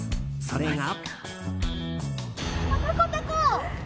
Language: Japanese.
それが。